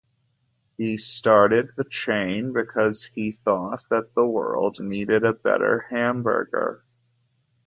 He started the chain because he thought that the world needed a better hamburger.